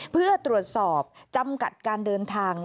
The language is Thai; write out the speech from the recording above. เพื่อตรวจสอบจำกัดการเดินทาง